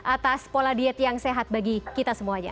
atas pola diet yang sehat bagi kita semuanya